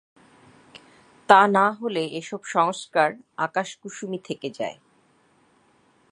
তা না হলে এ-সব সংস্কার আকাশকুসুমই থেকে যায়।